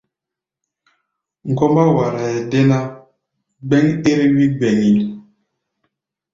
Ŋgɔ́mbá waraʼɛ dé ná, gbɛ́ŋ ɛ́r-wí gbɛŋí.